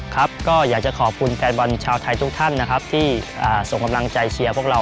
ครับก็อยากจะขอบคุณแฟนบอลชาวไทยทุกท่านนะครับที่ส่งกำลังใจเชียร์พวกเรา